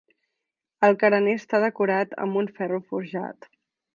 El carener està decorat amb un ferro forjat.